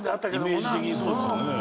イメージ的にそうですよね。